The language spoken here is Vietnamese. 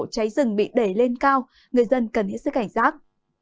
cháy rừng bị đẩy lên cao người dân cần hết sức cảnh giác